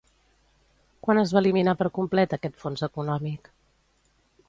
Quan es va eliminar per complet aquest fons econòmic?